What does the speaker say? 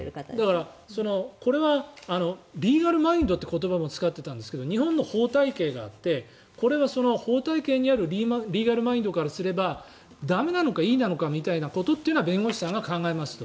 だから、リーガルマインドという言葉も使っていたんですが日本の法体系があってこれが、法体系にあるリーガルマインドからすれば駄目なのかいいのかみたいなことは弁護士さんが考えますと。